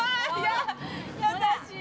優しい。